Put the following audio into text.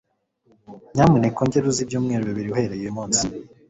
Nyamuneka ongera uze ibyumweru bibiri uhereye uyu munsi.